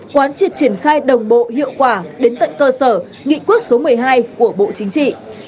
quán triệt triển khai đồng bộ hiệu quả đến tận cơ sở nghị quyết số một mươi hai của bộ chính trị